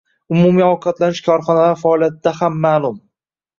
Umumiy ovqatlanish korxonalari faoliyatida ham maʼlum